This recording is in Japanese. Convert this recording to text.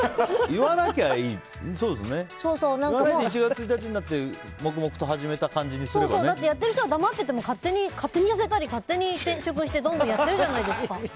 言わないで１月１日になってだって、やる人は黙ってても勝手に痩せたり、勝手に転職してどんどんやってるじゃないですか。